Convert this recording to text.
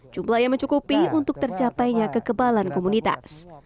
jumlah yang mencukupi untuk tercapainya kekebalan komunitas